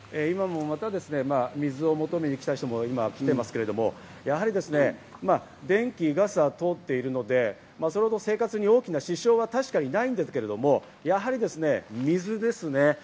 今もまた水を求めに来た人も来ていますけれども、やはり電気・ガスは通っているので、それほど生活に大きな支障は確かにないんですけれども、やはり水ですね。